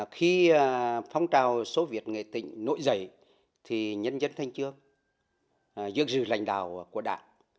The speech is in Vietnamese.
khi phong trào soviet nghệ tĩnh nổi dậy thì nhân dân thanh trương dưỡng dư lãnh đạo của đảng